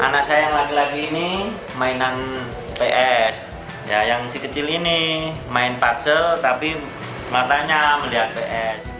anak saya yang laki laki ini mainan ps yang si kecil ini main pacel tapi matanya melihat ps